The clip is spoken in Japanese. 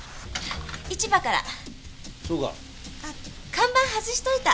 看板外しといた。